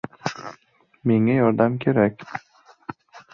U ko'zlari yoshlanganini yashirish uchun derazadan tashqariga qaradi.